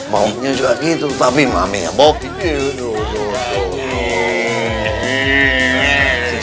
mauknya juga gitu tapi mameynya bokeh